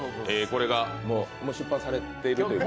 これがもう出版されている？